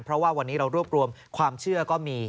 เพราะว่าวันนี้เรารวบรวมความเชื่อก็มี